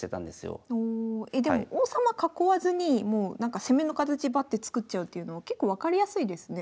えでも王様囲わずにもうなんか攻めの形バッて作っちゃうっていうのは結構分かりやすいですね。